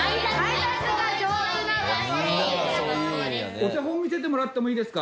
お手本見せてもらってもいいですか？